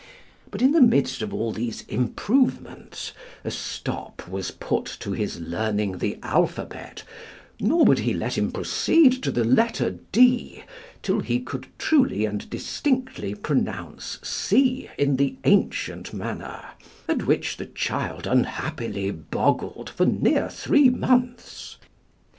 But in the midst of all these improvements a stop was put to his learning the alphabet, nor would he let him proceed to the letter D, till he could truly and distinctly pronounce C in the ancient manner, at which the child unhappily boggled for near three months.